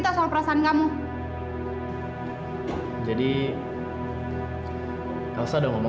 yang frey sukain itu femi